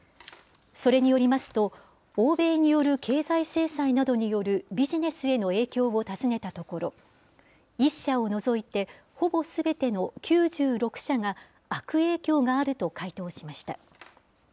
それによりますと、欧米による経済制裁などによるビジネスへの影響を尋ねたところ、１社を除いてほぼすべての９６社が、悪影響があると回答しました。